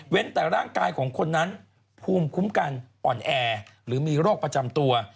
แต่ร่างกายของคนนั้นภูมิคุ้มกันอ่อนแอหรือมีโรคประจำตัว